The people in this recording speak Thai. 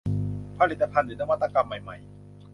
ผลิตภัณฑ์หรือนวัตกรรมใหม่ใหม่